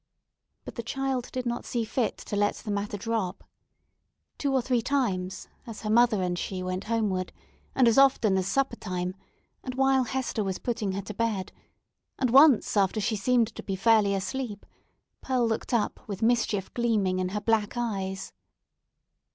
But the child did not see fit to let the matter drop. Two or three times, as her mother and she went homeward, and as often at supper time, and while Hester was putting her to bed, and once after she seemed to be fairly asleep, Pearl looked up, with mischief gleaming in her black eyes.